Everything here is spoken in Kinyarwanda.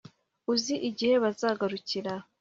Uzi igihe bazagarukira